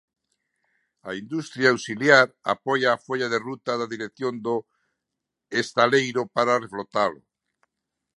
A industria auxiliar apoia a folla de ruta da dirección do estaleiro para reflotalo.